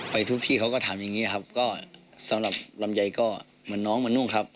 ไปทุกที่เขาก็ทำอย่างนี้ครับก็สำหรับลำไยก็เหมือนน้องมานุ่งครับ